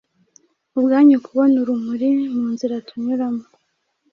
ubwacu kubona urumuri mu nzira tunyuramo.